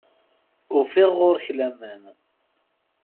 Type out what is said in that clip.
Ufiɣ ɣur-k laman.